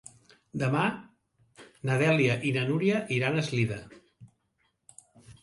Demà na Dèlia i na Núria iran a Eslida.